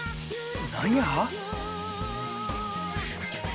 何や？